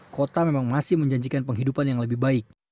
kota memang masih menjanjikan penghidupan yang lebih baik